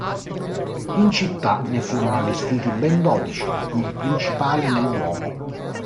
In città ne furono allestiti ben dodici, di cui il principale nel duomo.